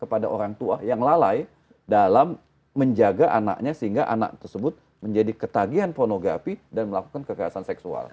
kepada orang tua yang lalai dalam menjaga anaknya sehingga anak tersebut menjadi ketagihan pornografi dan melakukan kekerasan seksual